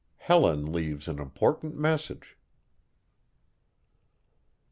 HELEN LEAVES AN IMPORTANT MESSAGE.